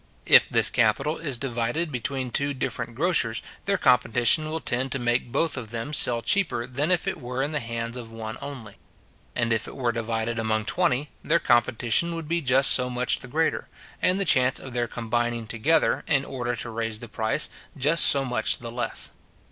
If this capital is divided between two different grocers, their competition will tend to make both of them sell cheaper than if it were in the hands of one only; and if it were divided among twenty, their competition would be just so much the greater, and the chance of their combining together, in order to raise the price, just so much the less.